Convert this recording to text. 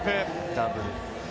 ダブル。